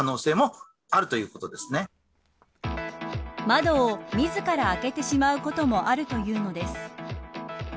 窓を自ら開けてしまうこともあるというのです。